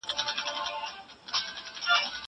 زه مخکي سندري اورېدلي وې.